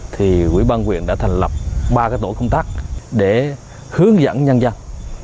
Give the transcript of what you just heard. thì quỹ ban quyền đã thành lập ba tổ công tác để hướng dẫn nhân dân